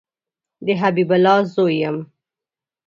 د حبیب الله زوی یم